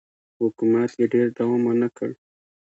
حکومت یې ډېر دوام ونه کړ